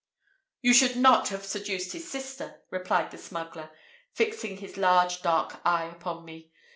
"You should not have seduced his sister," replied the smuggler, fixing his large dark eye upon me.